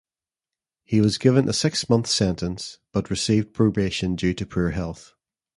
He was given a six-month sentence, but received probation due to poor health.